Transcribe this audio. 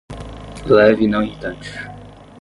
Leve e não irritante